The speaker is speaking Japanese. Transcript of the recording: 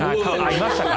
いましたか？